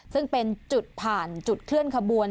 ซึ่งเป็นจุดผ่านจุดเคลื่อนขบวน